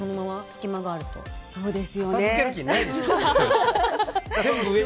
そうですよね。